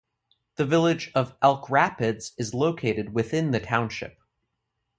The village of Elk Rapids is located within the township.